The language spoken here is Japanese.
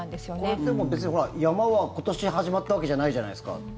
これって別に山は今年始まったわけじゃないじゃないですか。